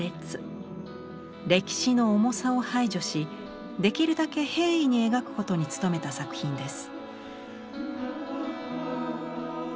歴史の重さを排除しできるだけ平易に描くことに努めた作品です。